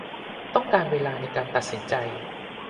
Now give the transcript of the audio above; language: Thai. ต้องการเวลาในการตัดสินใจ